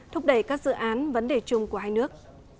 thúc đẩy các dự án vấn đề chung của hai nước